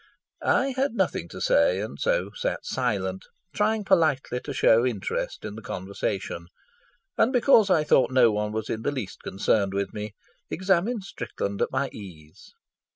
I had nothing to say and so sat silent, trying politely to show interest in the conversation; and because I thought no one was in the least concerned with me, examined Strickland at my ease.